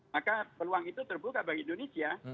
maka peluang itu terbuka bagi indonesia